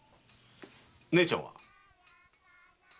姉ちゃんは？